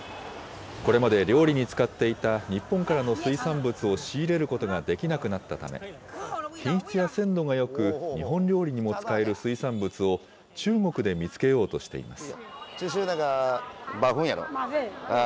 これまで料理に使っていた日本からの水産物を仕入れることができなくなったため、品質や鮮度がよく、日本料理にも使える水産物を中国で見つけようとしています。